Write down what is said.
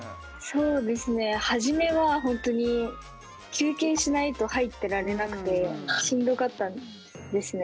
そうですね初めは本当に休憩しないと入ってられなくてしんどかったですね。